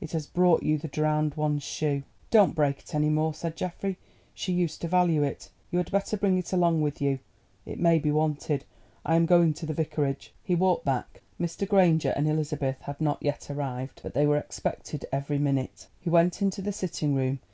It has brought you the Drowned One's shoe." "Don't break it any more," said Geoffrey. "She used to value it. You had better bring it along between you—it may be wanted. I am going to the Vicarage." He walked back. Mr. Granger and Elizabeth had not yet arrived, but they were expected every minute. He went into the sitting room.